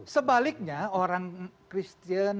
sebaliknya orang kristian